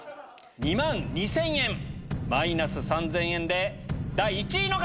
２万２０００円マイナス３０００円で第１位の方。